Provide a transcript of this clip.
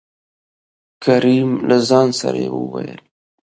کريم : له ځان سره يې ووېل: